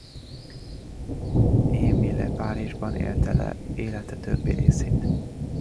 Émile Párizsban élte le élete többi részét.